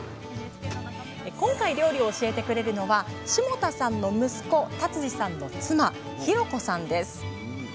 今回料理を教えてくれるのは霜多さんの息子辰樹さんの妻浩子さんです。